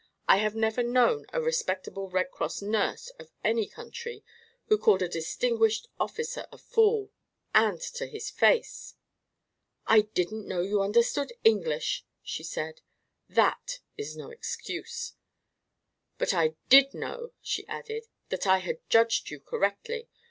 I have never known a respectable Red Cross nurse, of any country, who called a distinguished officer a fool and to his face." "I didn't know you understood English," she said. "That is no excuse!" "But I did know," she added, "that I had judged you correctly.